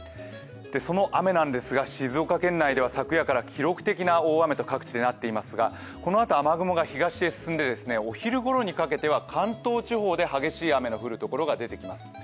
その雨なんですが静岡県内では昨夜から記録的な大雨と各地でなっていますがこのあと雨雲が東へ進んでお昼ごろにかけては関東地方で激しい雨の降るところが出てきます。